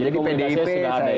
jadi komunikasi sudah ada ya